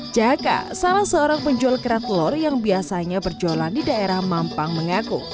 jaka salah seorang penjual kerak telur yang biasanya berjualan di daerah mampang mengaku